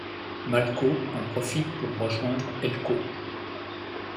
Malko en profite pour rejoindre Elko.